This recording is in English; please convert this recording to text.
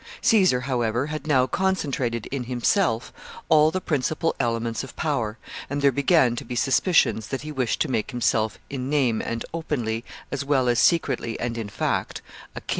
Caesar, however, had now concentrated in himself all the principal elements of power, and there began to be suspicions that he wished to make himself in name and openly, as well as secretly and in fact, a king.